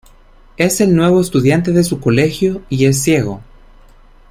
Es el nuevo estudiante de su colegio, y es ciego.